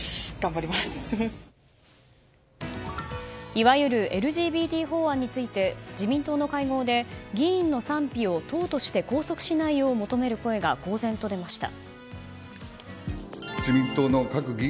いわゆるＬＧＢＴ法案について自民党の会合で議員の賛否を党として拘束しないよう求める声が公然と出ました。